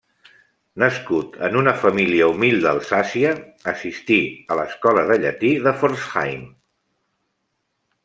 Nascut en una família humil d'Alsàcia, assistí a l'escola de llatí de Pforzheim.